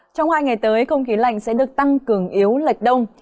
trong hai ngày tới không khí lạnh sẽ được tăng cường yếu lệch đông